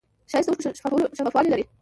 ښایست د اوښکو شفافوالی لري